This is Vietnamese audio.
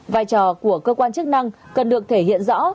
vai trò của cơ quan chức năng cần được thể hiện rõ